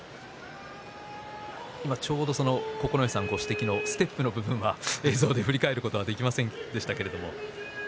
九重さんご指摘のステップの部分は映像で振り返ることができませんでした。